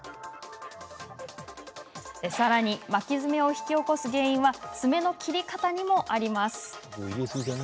さらに巻き爪を引き起こす原因は爪の切り方にもあります。